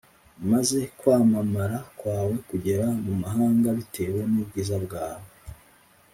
Maze kwamamara kwawe kugera mu mahanga bitewe n’ubwiza bwawe